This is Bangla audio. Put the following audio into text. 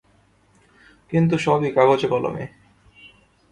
কিন্তু সবই কাগজে কলমে।